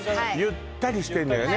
ゆったりしてんのよね